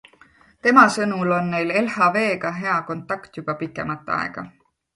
Tema sõnul on neil LHVga hea kontakt juba pikemat aega.